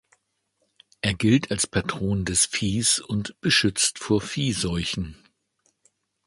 Er gilt als Patron des Viehs und beschützt vor Viehseuchen.